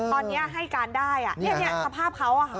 ตอนนี้ให้การได้สภาพเขา